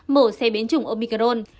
mổ xe biến chủng omicron